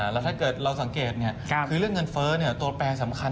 แล้วถ้าเกิดเราสังเกตคือเรื่องเงินเฟ้อตัวแปรสำคัญ